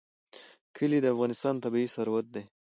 کلي د افغانستان طبعي ثروت دی.